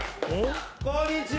こんにちは！